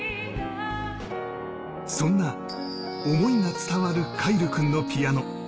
そんな想いが伝わる凱成君のピアノ。